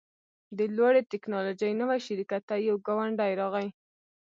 د لوړې ټیکنالوژۍ نوي شرکت ته یو ګاونډی راغی